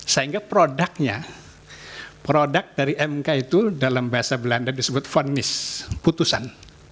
sehingga produknya produk dari mk itu dalam bahasa belanda disebut fondis putusan